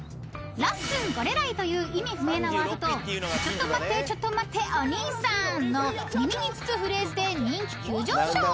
［「ラッスンゴレライ」という意味不明なワードと「ちょっと待ってちょっと待ってお兄さん」の耳につくフレーズで人気急上昇］